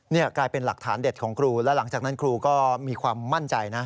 นี่กลายเป็นหลักฐานเด็ดของครูแล้วหลังจากนั้นครูก็มีความมั่นใจนะ